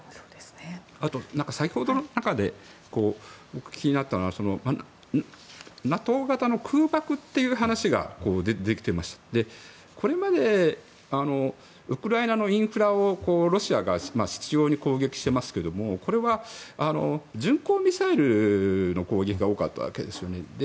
あと、先ほどの中で気になったのはＮＡＴＯ型の空爆という話が出てきていましてこれまでウクライナのインフラをロシアが執拗に攻撃していますけどもこれは巡航ミサイルの攻撃が多かったわけですよね。